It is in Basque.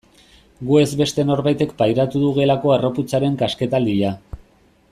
Gu ez beste norbaitek pairatu du gelako harroputzaren kasketaldia.